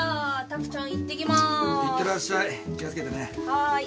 はい。